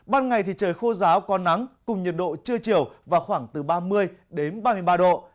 ban ngày thì trời khô ráo có nắng cùng nhiệt độ trưa chiều vào khoảng từ ba mươi ba mươi ba độ